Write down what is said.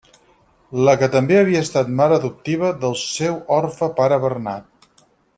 La que també havia estat mare adoptiva del seu orfe pare Bernat.